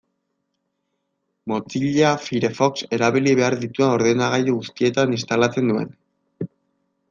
Mozilla Firefox erabili behar ditudan ordenagailu guztietan instalatzen nuen.